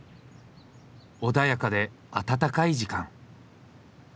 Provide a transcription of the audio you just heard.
穏やかで温かい時間。